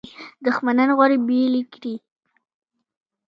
دښمنان غواړي بیل یې کړي.